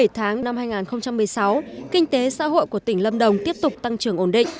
bảy tháng năm hai nghìn một mươi sáu kinh tế xã hội của tỉnh lâm đồng tiếp tục tăng trưởng ổn định